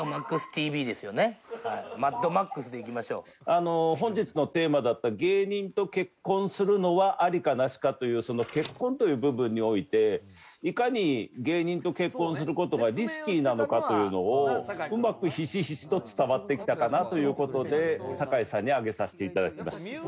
あの本日のテーマだった「芸人と結婚するのはアリかナシか」というその結婚という部分においていかに芸人と結婚する事がリスキーなのかというのをうまくひしひしと伝わってきたかなという事で坂井さんに上げさせていただきました。